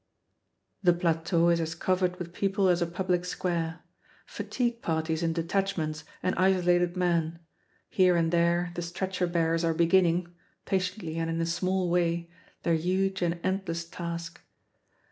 The plateau is as covered with people as a public square; fatigue parties in detachments, and isolated men. Here and there, the stretcher bearers are beginning (patiently and in a small way) their huge and endless task.